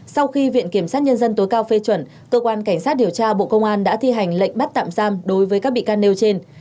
sau khi viện kiểm sát nhân dân tối cao phê chuẩn cơ quan cảnh sát điều tra bộ công an đã thi hành lệnh bắt tạm giam đối với các bị can nêu trên